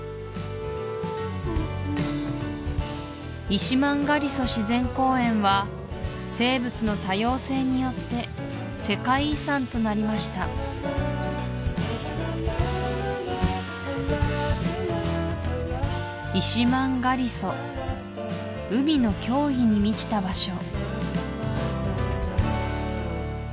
イシマンガリソ自然公園は生物の多様性によって世界遺産となりましたイシマンガリソ海の驚異に満ちた場所